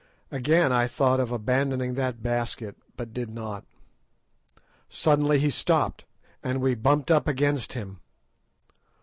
Again I thought of abandoning that basket, but did not. Suddenly he stopped, and we bumped up against him.